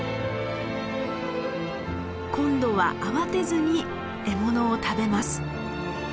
今度は慌てずに獲物を食べます。